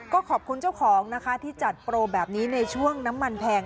ก็ขอบคุณเจ้าของนะคะที่จัดโปรแบบนี้ในช่วงน้ำมันแพง